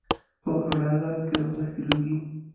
په رڼاګانو کې رانغښي لوګي